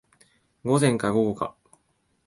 午前か午後か